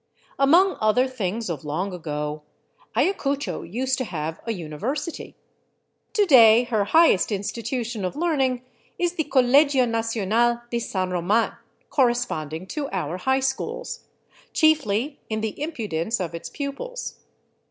Among other things of long ago Ayacucho used to have a uni versity. To day her highest institution of learning is the Colegio Nacional de San Roman, corresponding to our high schools — chiefly in the impudence of its pupils.